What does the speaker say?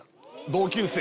同級生